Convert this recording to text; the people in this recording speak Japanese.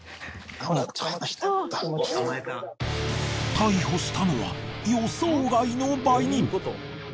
逮捕したのは予想外の売人。